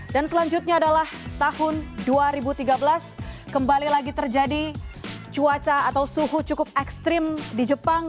dan selanjutnya adalah tahun dua ribu tiga belas kembali lagi terjadi cuaca atau suhu cukup ekstrim di jepang